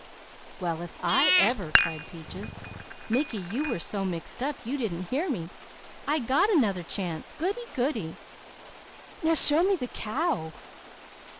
"Well if I ever!" cried Peaches. "Mickey, you was so mixed up you didn't hear me. I got 'nother chance. Goody, goody! Now show me the cow!"